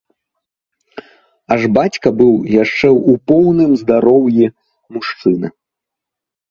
Аж бацька быў яшчэ ў поўным здароўі мужчына.